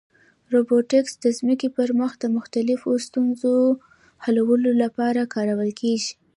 روبوټیکس د ځمکې پر مخ د مختلفو ستونزو حلولو لپاره کارول کېږي.